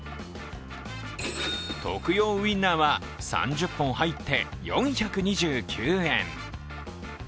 徳用ウインナーは３０本入って４２９円。